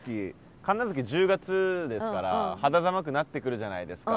神無月１０月ですから肌寒くなってくるじゃないですか。